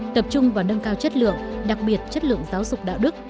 tập trung vào nâng cao chất lượng đặc biệt chất lượng giáo dục đạo đức